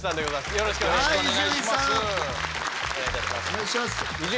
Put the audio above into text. よろしくお願いします。